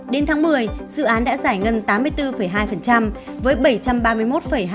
đến tháng một mươi dự án đã giải ngân tám mươi bốn hai với bảy trăm ba mươi một hai mươi năm triệu usd